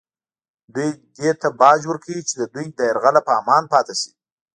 دوی دې ته باج ورکوي چې د دوی له یرغله په امان پاتې شي